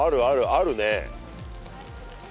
あるね。